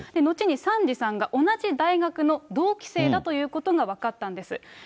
後にサンジさんが同じ大学の同期生だということが分かったんです。